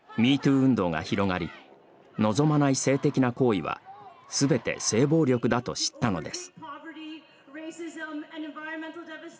運動が広がり望まない性的な行為はすべて性暴力だと知ったのです。